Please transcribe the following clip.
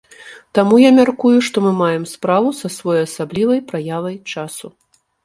Таму я мяркую, што мы маем справу са своеасаблівай праявай часу.